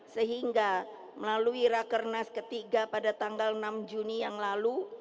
sehingga melalui rakernas ketiga pada tanggal enam juni yang lalu